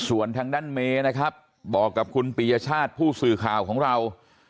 ส่วนทางด้านเมนะครับบอกกับคุณปียชาติผู้สื่อข่าวของเรา